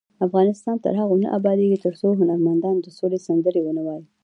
افغانستان تر هغو نه ابادیږي، ترڅو هنرمندان د سولې سندرې ونه وايي.